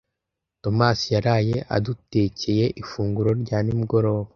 Thomas yaraye adutekeye ifunguro rya nimugoroba.